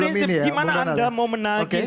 gimana anda mau menanggi